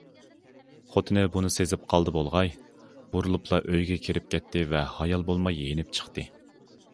خوتۇنى بۇنى سېزىپ قالدى بولغاي، بۇرۇلۇپلا ئۆيگە كىرىپ كەتتى ۋە ھايال بولماي يېنىپ چىقتى.